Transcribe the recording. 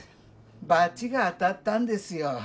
バチが当たったんですよ